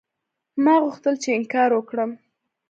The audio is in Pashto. ما غوښتل چې انکار وکړم.